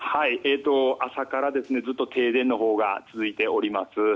朝からずっと停電が続いております。